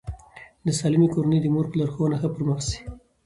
د سالمې کورنۍ د مور په لارښوونه ښه پرمخ ځي.